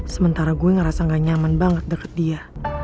sementara gue ngerasa gak nyaman banget deket dia